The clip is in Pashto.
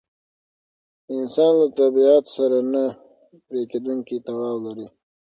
انسان له طبیعت سره نه پرېکېدونکی تړاو لري.